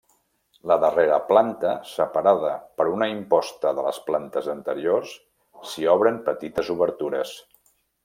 La darrera planta, separada per una imposta de les plantes anteriors, s'hi obren petites obertures.